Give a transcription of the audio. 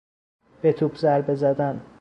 به توپ ضربه زدن